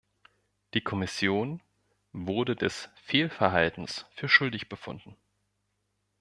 Die Kommission wurde des Fehlverhaltens für schuldig befunden.